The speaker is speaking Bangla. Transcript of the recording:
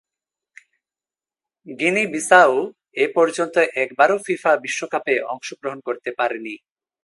গিনি-বিসাউ এপর্যন্ত একবারও ফিফা বিশ্বকাপে অংশগ্রহণ করতে পারেনি।